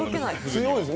強いです。